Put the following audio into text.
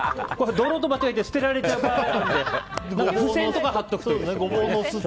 泥と間違えて捨てられちゃう場合があるので付箋とか貼っておくといいですね。